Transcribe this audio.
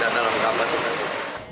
kita dalam keamanan juga sih